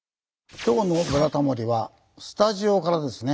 今日の「ブラタモリ」はスタジオからですね。